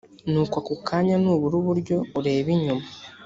nuko ako kanya nubura uburyo urebe inyuma